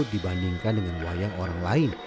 dibandingkan dengan wayang orang lain